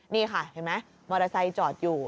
นี่ค่ะเห็นไหมมอเตอร์ไซค์จอดอยู่